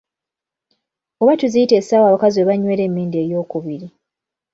Oba tuziyita essaawa abakazi webanywera emmindi ey'okubiri.